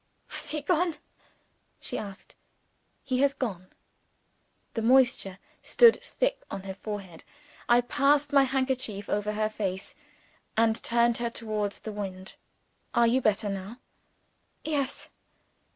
"Has he gone?" she asked. "He has gone." The moisture stood thick on her forehead. I passed my handkerchief over her face, and turned her towards the wind. "Are you better now?" "Yes."